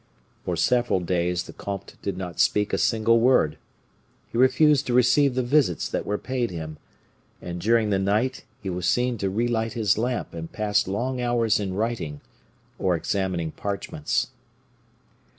For several days the comte did not speak a single word. He refused to receive the visits that were paid him, and during the night he was seen to relight his lamp and pass long hours in writing, or examining parchments.